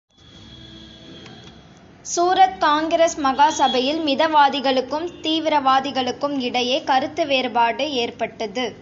சூரத் காங்கிரஸ் மகா சபையில் மிதவாதிகளுக்கும் தீவிரவாதிகளுக்கும் இடையே கருத்து வேறுபாடு ஏற்பட்டது.